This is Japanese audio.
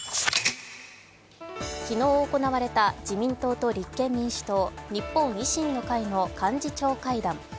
昨日行われた自民党と立憲民主党、日本維新の会の幹事長会談。